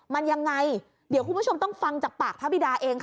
มันยังไงเดี๋ยวคุณผู้ชมต้องฟังจากปากพระบิดาเองค่ะ